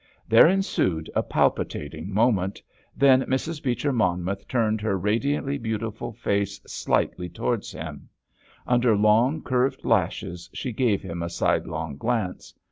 There ensued a palpitating moment, then Mrs. Beecher Monmouth turned her radiantly beautiful face slightly towards him; under long, curved lashes she gave him a sidelong glance.